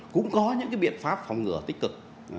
cũng có những biện pháp phòng ngừa tích cực